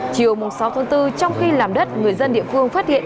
chiều sáu tháng bốn trong khi làm đất người dân địa phương phát hiện